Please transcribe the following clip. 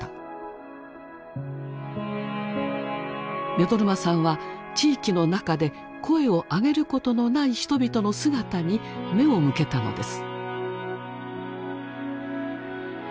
目取真さんは地域の中で声を上げることのない人々の姿に目を向けたのです。